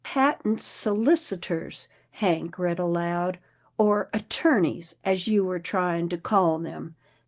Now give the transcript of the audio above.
" Patent solicitors," Hank read aloud, " or attor neys, as you were trying to call them.